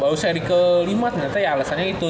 baru seri kelima ternyata ya alasannya itu